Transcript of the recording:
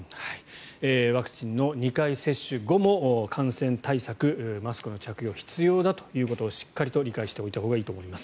ワクチンの２回接種後も感染対策マスクの着用必要だということをしっかり理解しておいたほうがいいと思います。